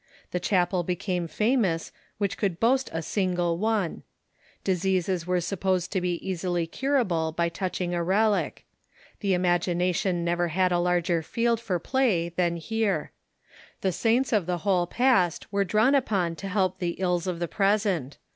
The chapel became famous which could boast a single one. Diseases were supposed to be easily curable by touching a relic. The imagination never had a larger field for play than here. The saints of the whole past were drawn upon to help the ills of the present.